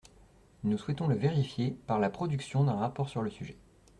Nous souhaitons le vérifier par la production d’un rapport sur le sujet.